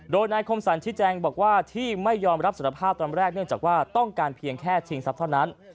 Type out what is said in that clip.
โดยนายคมสรรชี้แจงบอกว่าที่ไม่ยอมรับสารภาพตอนแรกเนื่องจากว่าต้องการเพียงแค่ชิงทรัพย์เท่านั้น